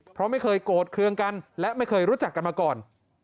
เพราะไม่เคยโกรธเครื่องกันและไม่เคยรู้จักกันมาก่อน